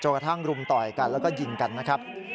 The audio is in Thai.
กระทั่งรุมต่อยกันแล้วก็ยิงกันนะครับ